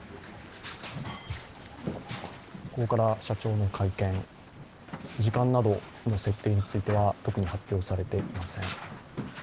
ここから社長の会見、時間などの設定などについては特に発表されていません。